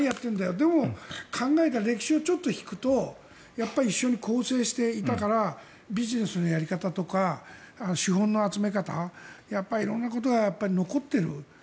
でも、考えたら歴史をちょっと引くと一緒に構成していたからビジネスのやり方とか資本の集め方色んなことは残っている。